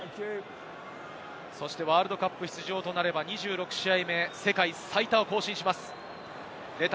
ワールドカップ出場となれば２６試合目、世界最多を更新します。